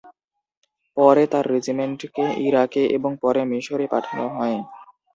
পরে তার রেজিমেন্টকে ইরাকে এবং পরে মিশরে পাঠানো হয়।